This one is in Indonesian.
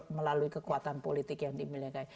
melalui kekuatan politik yang dimiliki